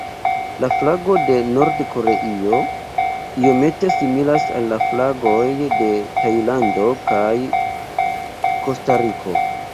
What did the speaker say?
La flago de Nord-Koreio iomete similas al la flagoj de Tajlando kaj Kostariko.